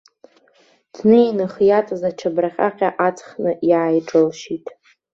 Днеин ихы иаҵаз ачабра ҟьаҟьа аҵхны иааиҿылшьит.